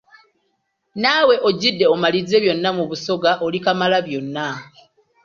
Naawe ogidde omalirize byonna mu Busoga oli Kamalabyonna!